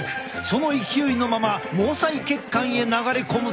その勢いのまま毛細血管へ流れ込むと。